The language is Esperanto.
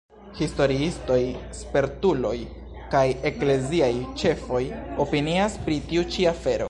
Historiistoj, spertuloj kaj ekleziaj ĉefoj opinias pri tiu ĉi afero.